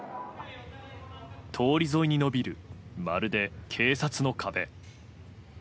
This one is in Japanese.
通り沿いに延びるまるで警察の壁。